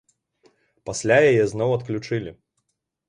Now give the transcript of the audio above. Пасля яе зноў адключылі.